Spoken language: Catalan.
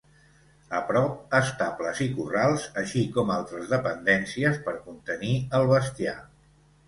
A prop, estables i corrals així com altres dependències per contenir el bestiar.